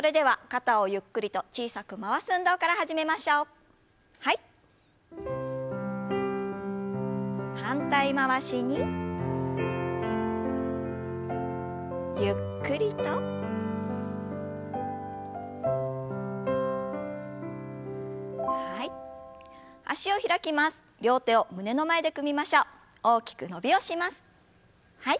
はい。